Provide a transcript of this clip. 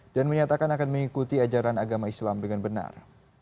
dan menyatakan akan mengikuti ajaran agama islam dengan benar